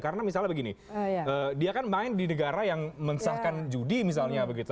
karena misalnya begini dia kan main di negara yang mensahkan judi misalnya begitu